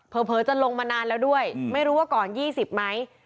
เผลอจะลงมานานแล้วด้วยไม่รู้ว่าก่อน๒๐ไหม